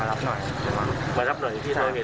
ตัวจับที่เข้าพอบ้าง